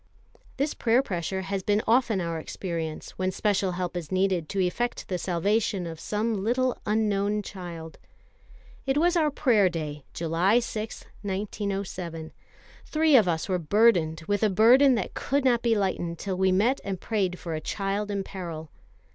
This prayer pressure has been often our experience when special help is needed to effect the salvation of some little unknown child. It was our Prayer day, July 6, 1907. Three of us were burdened with a burden that could not be lightened till we met and prayed for a child in peril.